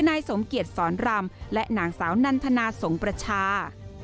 นายสมเกียจสอนรำและนางสาวนันทนาสงประชา